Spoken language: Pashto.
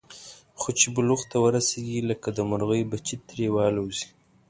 خو چې بلوغ ته ورسېږي، لکه د مرغۍ بچي ترې والوځي.